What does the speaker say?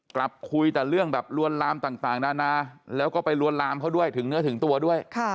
กลับคุยแต่เรื่องแบบลวนลามต่างนานาแล้วก็ไปลวนลามเขาด้วยถึงเนื้อถึงตัวด้วย